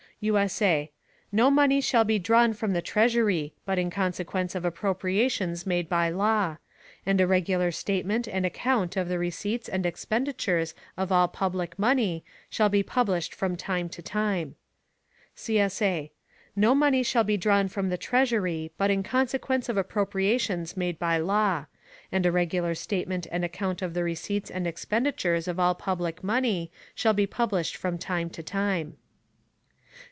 [USA] No Money shall be drawn from the Treasury, but in Consequence of Appropriations made by Law; and a regular Statement and Account of the Receipts and Expenditures of all public Money shall be published from time to time. [CSA] No money shall be drawn from the Treasury, but in consequence of appropriations made by law; and a regular statement and account of the receipts and expenditures of all public money shall be published from time to time.